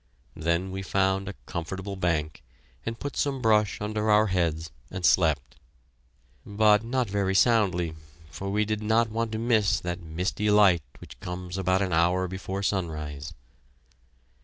Then we found a comfortable bank, and put some brush under our heads and slept. But not very soundly, for we did not want to miss that misty light which comes about an hour before sunrise.